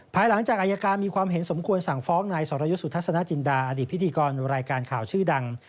ภายหลังจากอายการมีความเห็นสมควรสั่งฟ้องนายสรยุทธ์สุทัศนจินดาอดีตพิธีกรรายการข่าวชื่อดัง